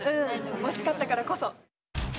惜しかったからこそ。